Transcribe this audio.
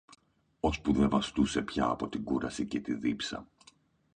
Ώσπου δε βαστούσε πια από την κούραση και τη δίψα